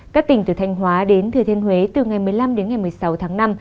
các tỉnh từ thanh hóa đến thừa thiên huế từ ngày một mươi năm đến ngày một mươi sáu tháng năm